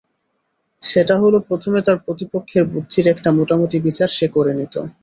সেটা হল প্রথমে তার প্রতিপক্ষের বুদ্ধির একটা মোটামুটি বিচার সে করে নিত।